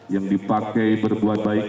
yang dipakai berbuat baik